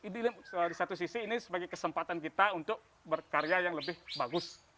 di satu sisi ini sebagai kesempatan kita untuk berkarya yang lebih bagus